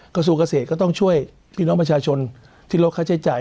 กระทรวงเกษตรก็ต้องช่วยทีน้องมชาชนทิลกข้าวใช้จ่าย